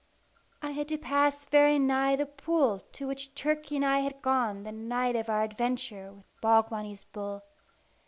I had to pass very nigh the pool to which Turkey and I had gone the night of our adventure with Bogbonny's bull.